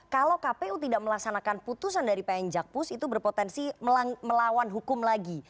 kalau kpu tidak melaksanakan putusan dari pn jakpus itu berpotensi melawan hukum lagi